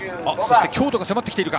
京都が迫ってきているか。